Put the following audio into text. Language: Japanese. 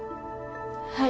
はい。